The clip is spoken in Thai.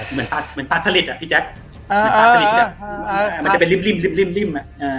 เหมือนปลาสลิดอ่ะพี่แจ๊คมันจะไปริ่มริ่มริ่มริ่มริ่มอ่ะ